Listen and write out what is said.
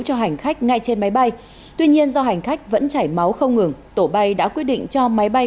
cho hành khách ngay trên máy bay tuy nhiên do hành khách vẫn chảy máu không ngừng tổ bay đã quyết định cho máy bay